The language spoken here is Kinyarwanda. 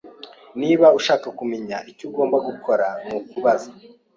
Niba ushaka kumenya, icyo ugomba gukora nukubaza.